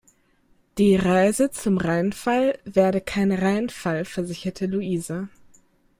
Die Reise zum Rheinfall werde kein Reinfall, versicherte Louise.